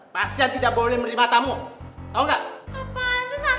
pasien tidak boleh terima tamu jadi saya harus mencari temennya